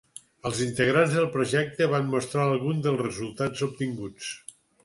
Els integrants del projecte van mostrar alguns dels resultats obtinguts.